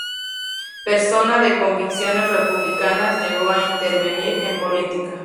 Persona de convicciones republicanas, llegó a intervenir en política.